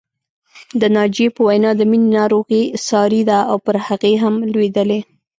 د ناجيې په وینا د مینې ناروغي ساري ده او پر هغې هم لوېدلې